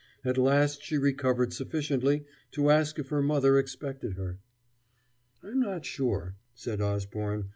At last she recovered sufficiently to ask if her mother expected her. "I am not sure," said Osborne.